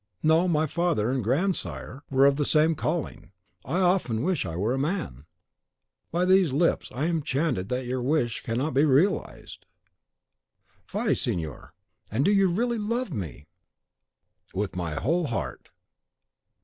No. My father and grandsire were of the same calling. I often wish I were a man!" "By these lips, I am enchanted that your wish cannot be realised." "Fie, signor! And do you really love me?" "With my whole heart!"